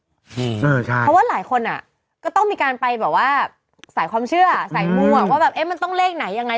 เพราะว่าหลายคนก็ต้องมีการไปแบบว่าสายความเชื่อสายมั่วว่าแบบเอ๊ะมันต้องเลขไหนยังไง